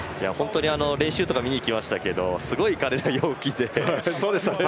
練習など見に行きましたけどすごい彼ら陽気で。